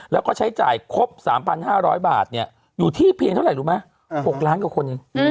แล้วก็ใช้จ่ายครบ๓๕๐๐บาทอยู่ที่เพียงเท่าไหร่รู้ไหม๖ล้านกว่าคนหนึ่ง